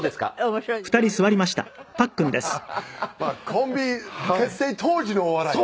コンビ結成当時のお笑い。